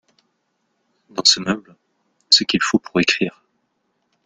Dans ce meuble, ce qu’il faut pour écrire.